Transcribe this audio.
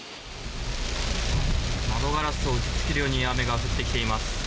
窓ガラスを打ち付けるように雨が降ってきています。